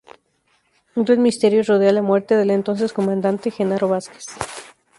Un gran misterio rodea la muerte del entonces comandante Genaro Vázquez.